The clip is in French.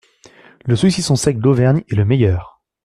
Le saucisson sec d’Auvergne est le meilleur.